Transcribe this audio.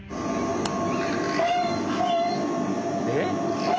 えっ？